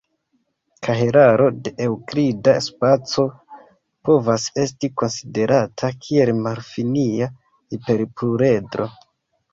Kahelaro de eŭklida spaco povas esti konsiderata kiel malfinia hiperpluredro.